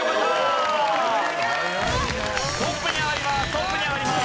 トップに上がります。